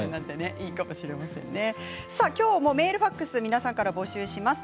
きょうもメールファックスを皆さんから募集します。